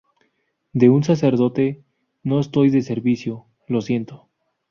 de un sacerdote, no estoy de servicio. lo siento.